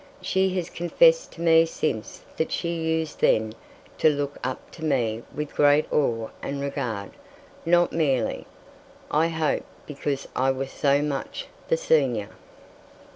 She has confessed to me since that she used then to look up to me with great awe and regard not merely, I hope, because I was so much the senior.